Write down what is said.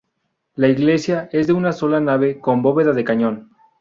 La iglesia es de una sola nave con bóveda de cañón.